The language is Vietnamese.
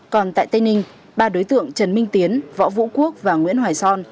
còn tại tây ninh ba đối tượng trần minh tiến võ vũ quốc và nguyễn hoài son